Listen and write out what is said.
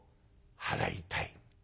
「払いたい」。